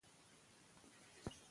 ایا تمرین بشپړ سوی؟